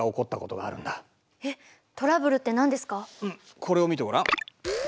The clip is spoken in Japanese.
これを見てごらん。